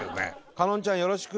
叶穏ちゃんよろしく。